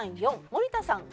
４森田さん